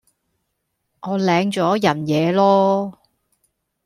我領咗人嘢囉